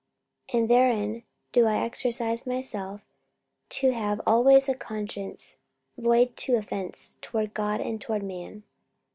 44:024:016 And herein do I exercise myself, to have always a conscience void to offence toward God, and toward men.